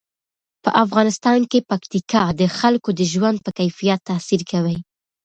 په افغانستان کې پکتیکا د خلکو د ژوند په کیفیت تاثیر کوي.